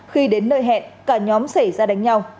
khi đến nơi hẹn cả nhóm xảy ra đánh nhau